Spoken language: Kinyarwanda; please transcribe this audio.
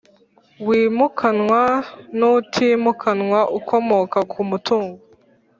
wimukanwa n utimukanwa ukomoka ku mutungo